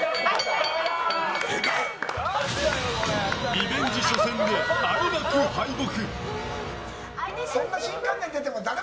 リベンジ初戦であえなく敗北！